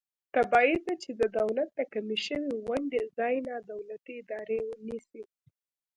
طبعي ده چې د دولت د کمې شوې ونډې ځای نا دولتي ادارې نیسي.